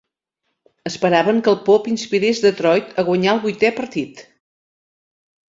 Esperaven que el pop inspirés Detroit a guanyar el vuitè partit.